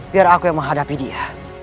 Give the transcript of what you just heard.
biar aku yang menghadapi dia